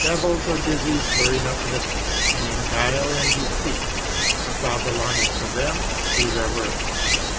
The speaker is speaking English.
Devils are busy in stirring up mischief, and in guile and deceit; if thou belongest to them, do their work.